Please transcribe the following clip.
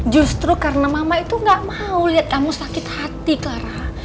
justru karena mama itu nggak mau liat kamu sakit hati clara